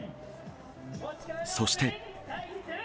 そして。